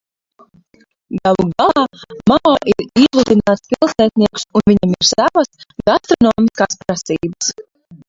Galu galā Mao ir izlutināts pilsētnieks un viņam ir savas gastronomiskās prasības.